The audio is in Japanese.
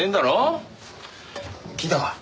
聞いたか？